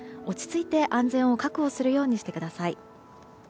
落ち着いて安全を確保するようにしてください。